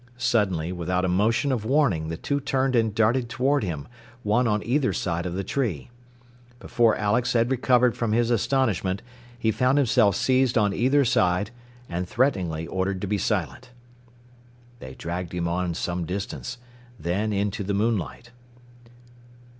Suddenly, without a motion of warning, the two turned and darted toward him, one on either side of the tree. Before Alex had recovered from his astonishment he found himself seized on either side, and threateningly ordered to be silent. They dragged him on some distance, then into the moonlight.